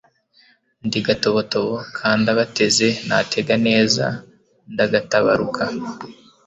Ndi Gatobotobo ka Ndabateze natega neza ndagatabaruka